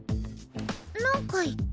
何か言った？